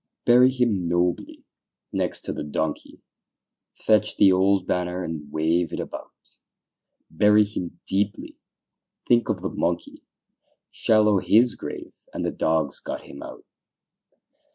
Bury him nobly next to the donkey; Fetch the old banner, and wave it about: Bury him deeply think of the monkey, Shallow his grave, and the dogs got him out.